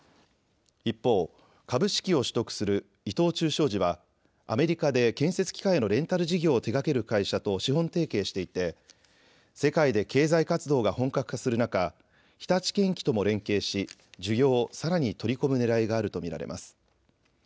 一方、株式を取得する伊藤忠商事はアメリカで建設機械のレンタル事業を手がける会社と資本提携していて世界で経済活動が本格化する中、日立建機とも連携し、需要をさらに取り込むねらいがあると見られます。